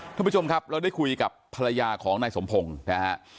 ท่านผู้ชมครับเราได้คุยกับภรรยาของนายสมพงศ์นะฮะ